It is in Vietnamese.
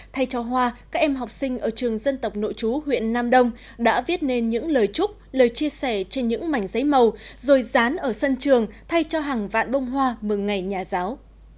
thay cho hoa các em học sinh ở trường dân tộc nội chú huyện nam đông đã viết nên những lời chúc lời chia sẻ trên những mảnh giấy màu rồi dán ở sân trường thay cho hàng vạn bông hoa mừng ngày nhà giáo